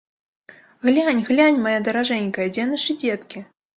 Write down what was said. Глянь, глянь, мая даражэнькая, дзе нашы дзеткі!